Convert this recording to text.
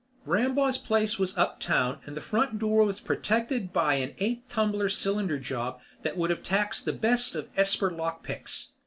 Rambaugh's place was uptown and the front door was protected by an eight tumbler cylinder job that would have taxed the best of esper lockpicks.